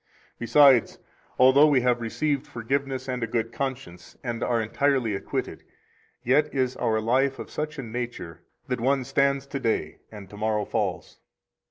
Besides, although we have received forgiveness and a good conscience and are entirely acquitted, yet is our life of such a nature that one stands to day and to morrow falls.